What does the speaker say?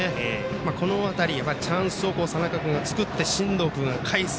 この辺りチャンスを佐仲君が作って進藤君がかえす。